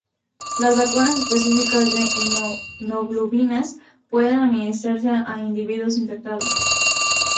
Las vacunas específicas de inmunoglobulinas pueden administrarse a individuos infectados.